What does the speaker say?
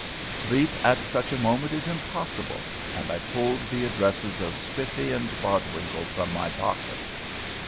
Sleep at such a moment is impossible, and I pulled the addresses of Spiffy and Bodwinkle from my pocket.